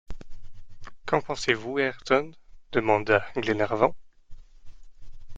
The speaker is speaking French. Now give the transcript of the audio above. Qu’en pensez-vous, Ayrton? demanda Glenarvan.